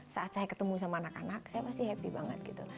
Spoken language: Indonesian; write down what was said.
saat saya ketemu sama anak anak saya pasti happy banget gitu